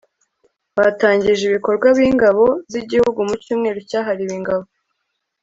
batangije ibikorwa b' ingabo z'igihugu mu cyumweru cyahariwe ingabo